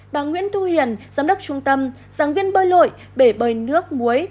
bà nguyễn thu hiền giám đốc trung tâm giảng viên bơi lội bể bơi nước muối